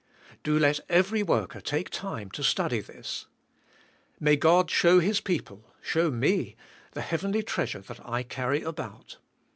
Do let every worker take time to study this. May God show His people, show me, the heavenly treas ure that I carry about.